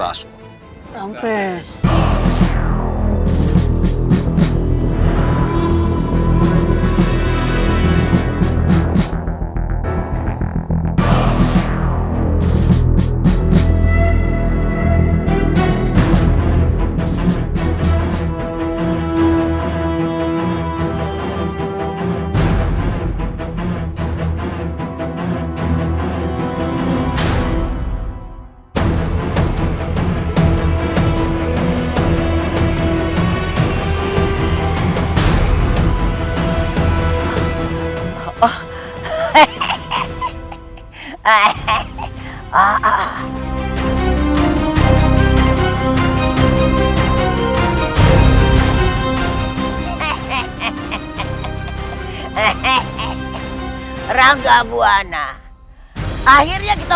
aku tak mau paruhmu